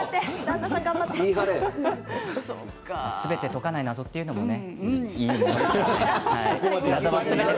すべて解かない謎というのもね。